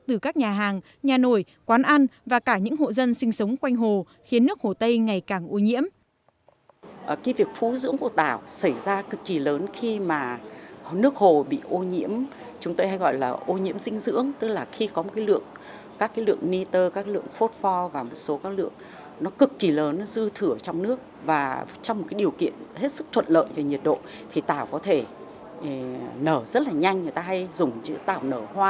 từ các nhà hàng nhà nổi quán ăn và cả những hộ dân sinh sống quanh hồ khiến nước hồ tây ngày càng ô nhiễm